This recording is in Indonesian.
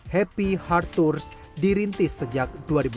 happy heart tour dirintis sejak dua ribu sepuluh